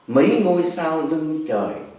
mấy ngôi sao lưng trời